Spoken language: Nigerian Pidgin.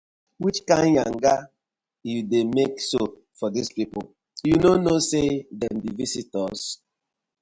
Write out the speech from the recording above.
Which kind yanga you dey mek so for dis pipu, yu no kno say dem bi visitors?